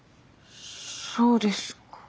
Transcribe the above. そうですか。